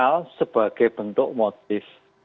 hal sebagai bentuk motif